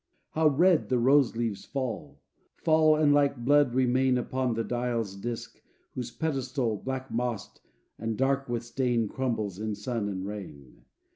How red the rose leaves fall, Fall, and like blood remain Upon the dial's disk, whose pedestal, Black mossed, and dark with stain, Crumbles in sun and rain.